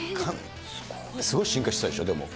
すごい進化してたでしょ、でも。